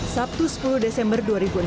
sabtu sepuluh desember dua ribu enam belas